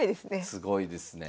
すごいですね。